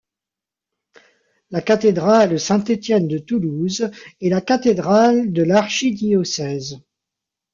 La cathédrale Saint-Étienne de Toulouse est la cathédrale de l'archidiocèse.